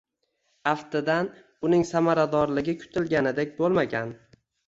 Aftidan, uning samaradorligi kutilganidek boʻlmagan.